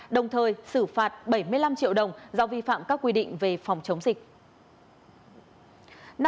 đồng thời xử phạt bảy mươi năm triệu đồng do vi phạm các quy định về phòng chống dịch